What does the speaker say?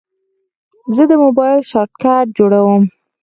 زه د موبایل شارټکټ جوړوم.